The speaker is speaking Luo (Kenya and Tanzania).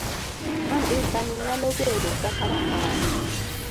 Andika ni nyalo bedo kaka rapar